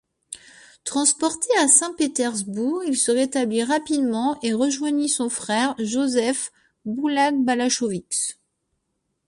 Transporté à Saint-Pétersbourg, il se rétablit rapidement et rejoignit son frère, Józef Bułak-Bałachowicz.